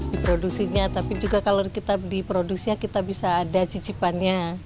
di produksinya tapi juga kalau kita di produksinya kita bisa ada cicipannya